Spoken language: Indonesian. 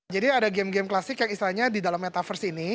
jadi ada game game klasik yang istilahnya di dalam metaverse ini